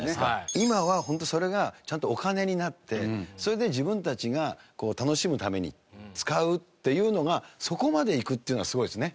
今はホントそれがちゃんとお金になってそれで自分たちが楽しむために使うっていうのがそこまでいくっていうのがすごいですね。